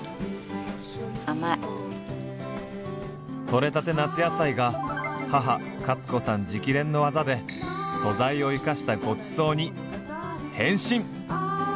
取れたて夏野菜が母カツ子さん直伝のワザで素材を生かしたごちそうに変身！